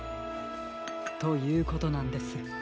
ということなんです。